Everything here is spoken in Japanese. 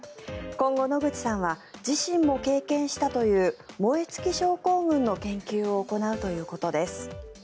今後、野口さんは自身も経験したという燃え尽き症候群の研究を行うということです。